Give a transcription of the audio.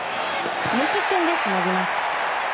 無失点でしのぎます。